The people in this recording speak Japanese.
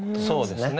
そうですね。